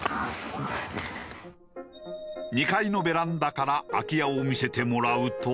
２階のベランダから空き家を見せてもらうと。